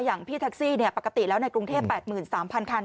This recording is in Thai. อย่างพี่แท็กซี่ปกติแล้วในกรุงเทพ๘๓๐๐คัน